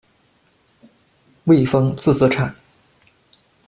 卫飒，字子产。